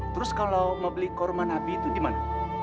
terus kalau mau beli korban habi itu dimana